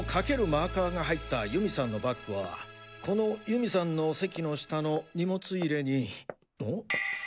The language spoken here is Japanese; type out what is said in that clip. マーカーが入った祐美さんのバッグはこの祐美さんの席の下の荷物入れにんっ？